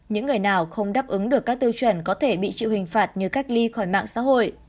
những người nào không đáp ứng được các tiêu chuẩn có thể bị chịu hình phạt như cách ly khỏi mạng xã hội